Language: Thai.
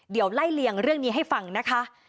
เดี๋ยวไล่เลี่ยงเรื่องนี้ให้ฟังนะคะ